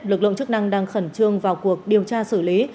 lực lượng chức năng đang khẩn trương vào cuộc điều tra xử lý